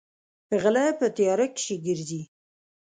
غلۀ پۀ تيارۀ کښې ګرځي ـ